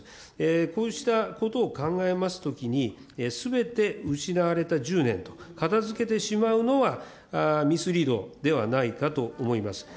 こうしたことを考えますときに、すべて失われた１０年と片づけてしまうのは、ミスリードではないかと思います。